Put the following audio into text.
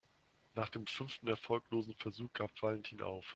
Nach dem fünften erfolglosen Versuch gab Valentin auf.